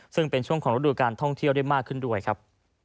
ซึ่งเป็นช่วงของฤดูการท่องเที่ยวได้มากขึ้นด้วยครับ